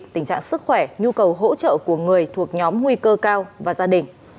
tình trạng sức khỏe nhu cầu hỗ trợ của người thuộc nhóm nguy cơ cao và gia đình